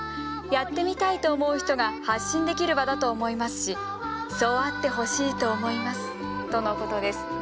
やってみたいと思う人が発信できる場だと思いますしそうあってほしいと思います」とのことです。